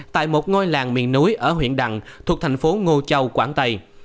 tại một ngôi làng miền núi ở huyện đằng thuộc thành phố ngô châu quảng tây